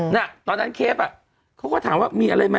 น่ะตอนนั้นเคปอ่ะเขาก็ถามว่ามีอะไรไหม